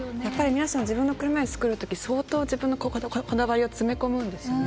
皆さん、自分の車いすを作るとき相当自分のこだわりを詰め込むんですよね。